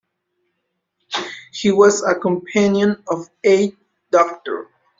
He was a companion of the Eighth Doctor.